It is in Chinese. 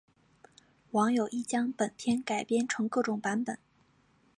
网友亦将本片改编成各种版本。